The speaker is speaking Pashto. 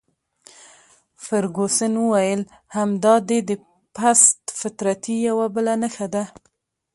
فرګوسن وویل: همدا دي د پست فطرتۍ یوه بله نښه ده.